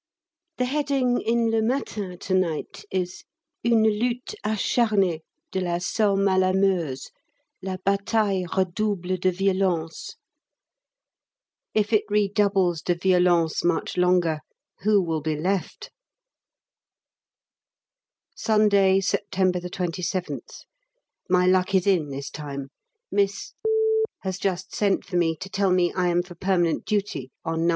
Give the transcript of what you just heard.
The heading in 'Le Matin' to night is: UNE LUTTE ACHARNÉE DE LA SOMME A LA MEUSE LA BATAILLE REDOUBLE DE VIOLENCE If it redoubles de violence much longer who will be left? Sunday, September 27th. My luck is in this time. Miss has just sent for me to tell me I am for permanent duty on No.